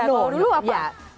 kalau dulu apa